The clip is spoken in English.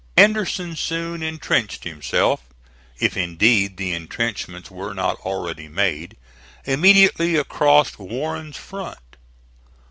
Anderson soon intrenched himself if indeed the intrenchments were not already made immediately across Warren's front.